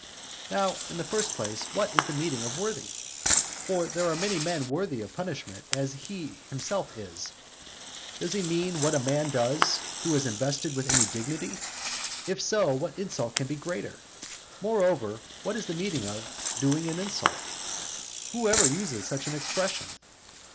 Now, in the first place, what is the meaning of "worthy?" For there are many men worthy of punishment, as he himself is. Does he mean what a man does who is invested with any dignity? if so, what insult can be greater? Moreover, what is the meaning of "doing an insult?" Who ever uses such an expression?